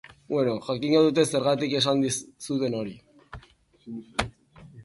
Bueno, jakingo dute zergatik esan dizuten hori.